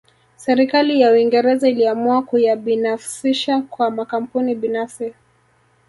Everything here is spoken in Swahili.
Serikali ya Uingereza iliamua kuyabinafsisha kwa makampuni binafsi